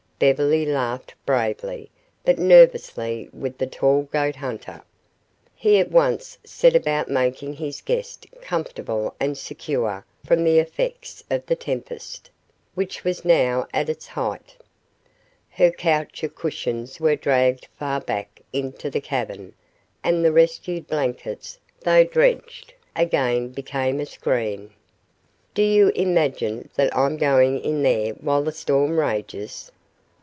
Beverly laughed bravely but nervously with the tall goat hunter. He at once set about making his guest comfortable and secure from the effects of the tempest, which was now at its height. Her couch of cushions was dragged far back into the cavern and the rescued blankets, though drenched, again became a screen. "Do you imagine that I'm going in there while this storm rages?"